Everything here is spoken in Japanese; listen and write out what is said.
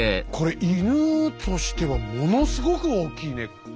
これ犬としてはものすごく大きいね。